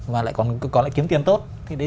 và lại kiếm tiền tốt